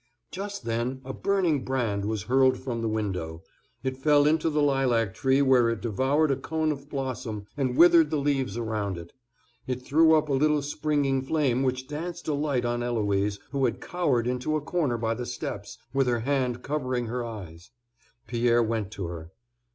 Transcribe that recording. Just then a burning brand was hurled from the window; it fell into the lilac tree where it devoured a cone of blossom and withered the leaves around it. It threw up a little springing flame which danced a light on Eloise, who had cowered into a corner by the steps, with her hand over her eyes. Pierre went to her.